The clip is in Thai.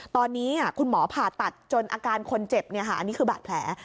ตอนนี้คุณหมอผ่าตัดจนอาการคนเจ็บอันนี้คือบาดแผล